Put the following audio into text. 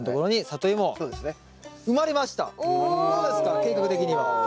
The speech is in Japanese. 計画的には。